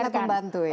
itu sangat membantu ya